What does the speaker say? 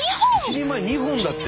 一人前２本だって！